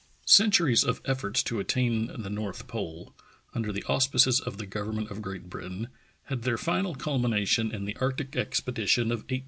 CENTURIES of efforts to attain the north pole, under the auspices of the government of Great Britain, had their final culmination in the arctic expedition of 1875 6.